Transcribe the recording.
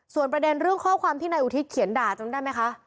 ส่วนประเด็นเรื่องข้อความที่นายอุทิศเขียนด่าจำได้ไหมคะ